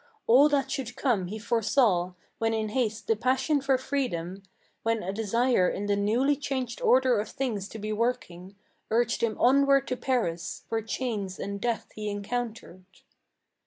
All that should come he foresaw, when in haste the passion for freedom, When a desire in the newly changed order of things to be working, Urged him onward to Paris, where chains and death he encountered.